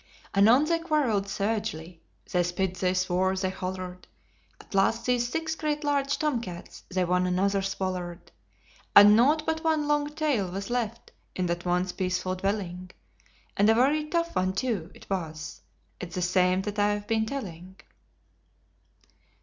"Anon they quarrelled savagely they spit, they swore, they hollered: At last these six great large tom cats they one another swallered: And naught but one long tail was left in that once peaceful dwelling, And a very tough one, too, it was it's the same that I've been telling."